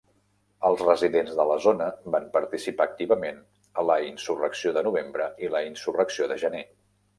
Els residents de la zona van participar activament a la Insurrecció de novembre i la Insurrecció de gener.